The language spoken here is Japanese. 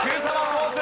ポーズ！